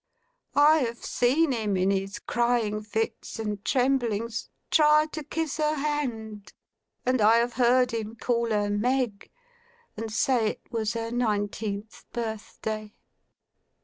I have seen him, in his crying fits and tremblings, try to kiss her hand; and I have heard him call her "Meg," and say it was her nineteenth birthday.